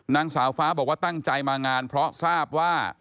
นางสาวฟ้าบอกว่าตั้งใจมางานเพราะทราบว่า